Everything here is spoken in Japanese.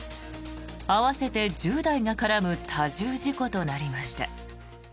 合わせて１０台が絡む多重事故となりました。